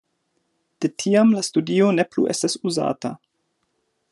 De tiam la studio ne plu estas uzata.